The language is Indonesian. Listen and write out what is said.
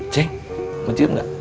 ceng mau cium gak